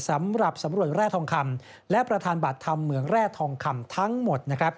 สำหรับสำรวจแร่ทองคำและประธานบัตรธรรมเหมืองแร่ทองคำทั้งหมดนะครับ